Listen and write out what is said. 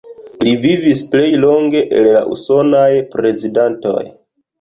Li vivis plej longe el la usonaj prezidantoj.